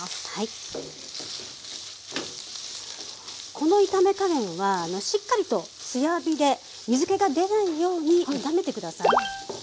この炒め加減はしっかりと強火で水けが出ないように炒めて下さい。